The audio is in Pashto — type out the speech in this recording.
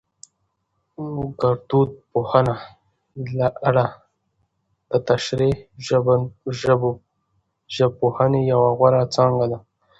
ګړدود پوهنه له اره دتشريحي ژبپوهنې يوه غوره څانګه ده